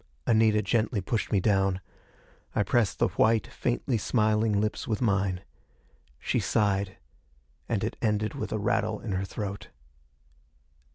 Anita gently pushed me down. I pressed the white, faintly smiling lips with mine. She sighed, and it ended with a rattle in her throat.